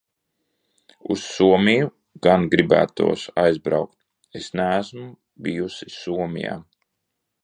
Uz Somiju gan gribētos aizbraukt. Es neesmu bijusi Somijā.